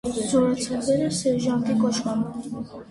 Զորացրվել է սերժանտի կոչմամբ։